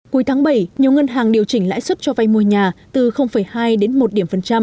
cuối tháng bảy nhiều ngân hàng điều chỉnh lãi suất cho vay mua nhà từ hai đến một bốn